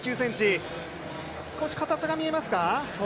少しかたさが見えますか？